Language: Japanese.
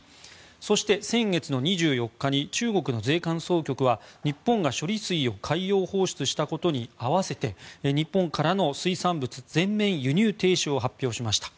そして、先月２４日に中国の税関総局は日本が処理水を海洋放出したことに合わせて日本からの水産物全面輸入停止を発表しました。